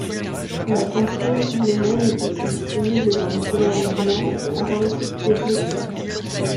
La console elle-même est aussi disponible dans les coloris blanc, rose et bleu clair.